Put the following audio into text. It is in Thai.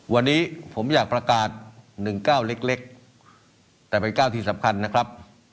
วันนี้ผมอยากประกาศ๑๙เล็กแต่เป็น๙ที่สำคัญนะครับ